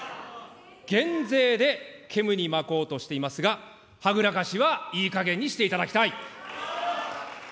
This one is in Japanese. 減税でけむに巻こうとしていますが、はぐらかしは、いいかげんにしていただきたい。